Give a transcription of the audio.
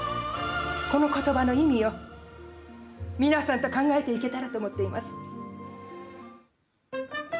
この言葉の意味を皆さんと考えていけたらと思っています。